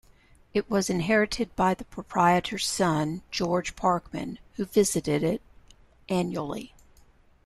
It was inherited by the proprietor's son, George Parkman, who visited it annually.